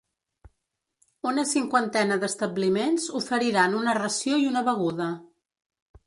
Una cinquantena d’establiments oferiran una ració i una beguda.